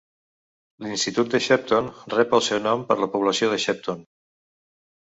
L'institut de Shepton rep el seu nom per la població de Shepton.